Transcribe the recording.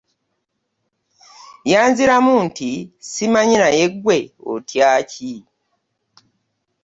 Yanziramu nti, “Simanyi, naye ggwe otya ki?